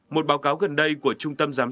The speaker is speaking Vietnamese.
một báo cáo gần đây của trung tâm giáo dục